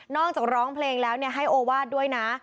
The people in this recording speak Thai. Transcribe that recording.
จากร้องเพลงแล้วให้โอวาสด้วยนะ